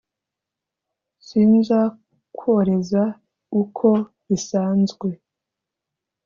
Sinza kworeza ukwo bisanzwe!"